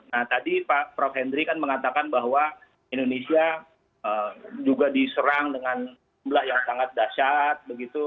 nah tadi prof hendri kan mengatakan bahwa indonesia juga diserang dengan belah yang sangat dahsyat begitu